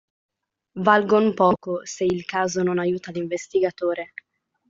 Valgon poco, se il Caso non aiuta l'investigatore.